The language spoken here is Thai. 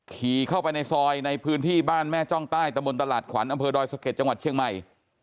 ขี่เข้าไปในซอยในพื้นที่บ้านแม่จ้องใต้ตะบนตลาดขวัญอำเภอดอยสะเก็ดจังหวัดเชียงใหม่